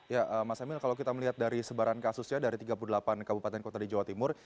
ya mas emil kalau kita melihat dari sebaran kasusnya dari tiga puluh delapan kabupaten kota di jawa timur